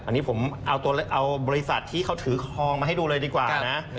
อันนี้ผมเอาบริษัทที่เขาถือคลองมาให้ดูเลยดีกว่านะ